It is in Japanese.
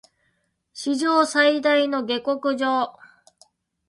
史上最大の下剋上